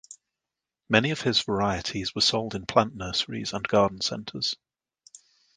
Many of his varieties were sold in plant nurseries and garden centers.